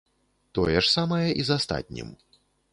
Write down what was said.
Тое ж самае і з астатнім.